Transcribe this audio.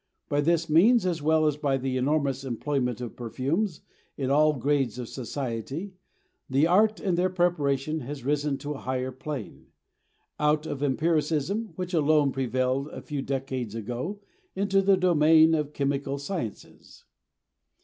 By this means, as well as by the enormous employment of perfumes in all grades of society, the art of their preparation has risen to a higher plane; out of empiricism, which alone prevailed a few decades ago, into the domain of the chemical sciences.